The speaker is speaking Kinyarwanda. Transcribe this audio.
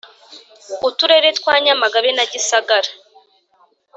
Uturere twa Nyamagabe na Gisagara.